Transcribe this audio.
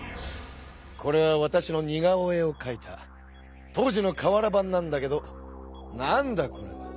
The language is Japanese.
これはわたしの似顔絵をかいた当時のかわら版なんだけどなんだこれは。